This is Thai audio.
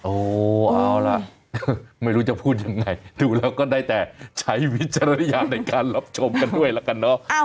เอาล่ะไม่รู้จะพูดยังไงดูแล้วก็ได้แต่ใช้วิจารณญาณในการรับชมกันด้วยละกันเนอะ